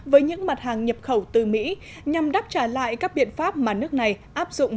với những mặt hàng nhập khẩu từ mỹ nhằm đáp trả lại các biện pháp mà nước này áp dụng